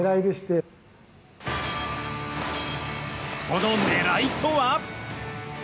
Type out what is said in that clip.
そのねらいとは？